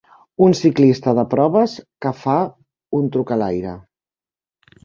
Un ciclista de proves que fa un truc a l'aire.